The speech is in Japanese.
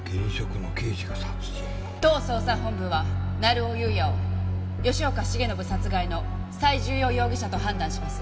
当捜査本部は成尾優也を吉岡繁信殺害の最重要容疑者と判断します。